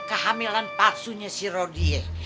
kehamilan palsunya si rodie